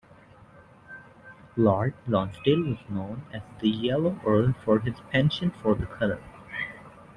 Lord Lonsdale was known as the Yellow Earl for his penchant for the colour.